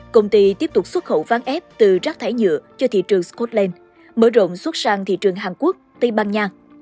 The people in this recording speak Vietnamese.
công ty tiếp tục xuất khẩu ván ép từ rác thải nhựa cho thị trường scotland mở rộng xuất sang thị trường hàn quốc tây ban nha